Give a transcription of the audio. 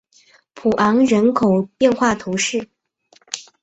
普昂人口变化图示